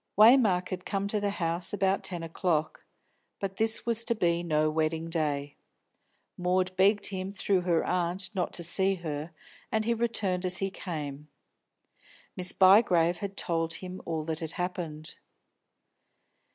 Waymark had come to the house about ten o'clock. But this was to be no wedding day. Maud begged him through her aunt not to see her, and he returned as he came. Miss Bygrave had told him all that had happened.